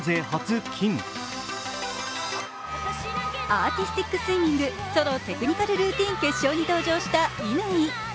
アーティスティックスイミングソロテクニカルルーティン決勝に登場した乾。